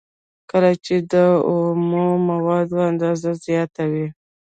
کله چې د اومو موادو اندازه زیاته وي